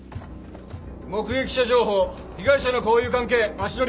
目撃者情報被害者の交友関係足取りは？